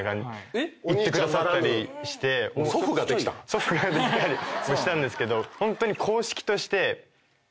祖父ができたりもしたんですけど。